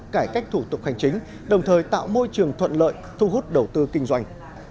cải cách thủ tục hành chính đồng thời tạo môi trường thuận lợi thu hút đầu tư kinh doanh